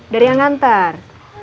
dari yang nganter